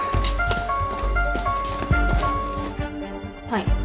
はい。